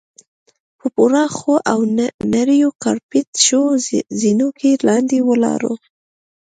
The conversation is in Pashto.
په پراخو او نریو کارپیټ شوو زینو کې لاندې ولاړو.